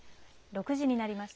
６時になりました。